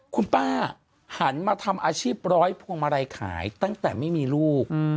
คุณป้าหันมาทำอาชีพร้อยพวงมาลัยขายตั้งแต่ไม่มีลูก